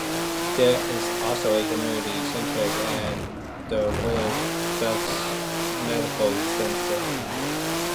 There is also a community centre and the Royal Docks Medical Centre.